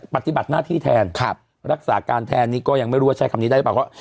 ปฏิบัติหน้าที่แทนรักษาการแทนนี้ก็ยังไม่รู้ว่าใช้คำนี้ได้หรือเปล่าเพราะ